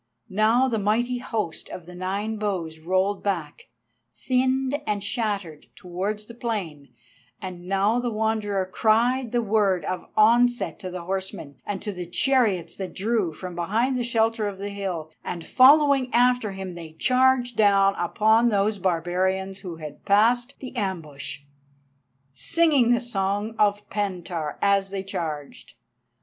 Now the mighty host of the Nine bows rolled back, thinned and shattered, towards the plain, and now the Wanderer cried the word of onset to the horsemen and to the chariots that drew from behind the shelter of the hill, and following after him they charged down upon those barbarians who had passed the ambush, singing the song of Pentaur as they charged.